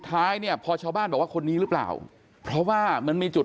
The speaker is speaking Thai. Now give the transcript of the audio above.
ท้ายเนี่ยพอชาวบ้านบอกว่าคนนี้หรือเปล่าเพราะว่ามันมีจุด